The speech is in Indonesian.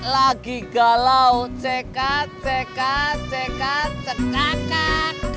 lagi galau cekat cekat cekat cekat cekat